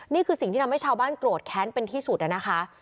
นี่คือสิ่งที่ทำให้ชาวบ้านโกรธแค้นเป็นที่สุดนะคะ